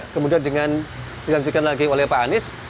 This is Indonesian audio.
kemudian dengan dilanjutkan lagi oleh pak anies